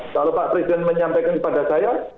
kalau pak presiden menyampaikan kepada saya